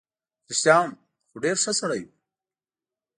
رښتیا هم، خو ډېر ښه سړی وو.